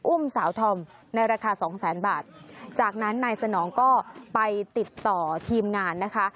อุ้มสาวธอมในราคาสองแสนบาทจากนั้นนายสนองก็ไปติดต่อทีมงานนะคะ